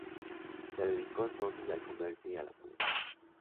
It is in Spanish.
Se dedicó entonces al comercio y a la política.